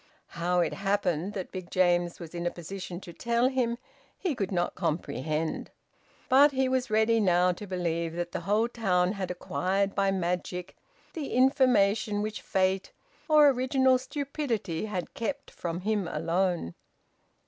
How it happened that Big James was in a position to tell him he could not comprehend. But he was ready now to believe that the whole town had acquired by magic the information which fate or original stupidity had kept from him alone...